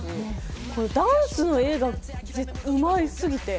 このダンスの絵がうますぎて。